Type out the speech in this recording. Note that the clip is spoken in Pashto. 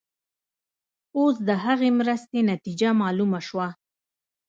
اوس د هغې مرستې نتیجه معلومه شوه.